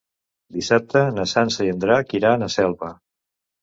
Dissabte na Sança i en Drac iran a Selva.